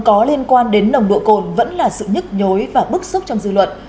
có liên quan đến nồng độ cồn vẫn là sự nhức nhối và bức xúc trong dư luận